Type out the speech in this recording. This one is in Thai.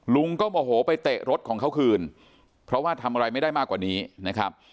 ลุงก็โมโหไปเตะรถของเขาคืนเพราะว่าทำอะไรไม่ได้มากกว่านี้นะครับ